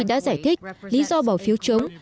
đã giải thích lý do bỏ phiếu chống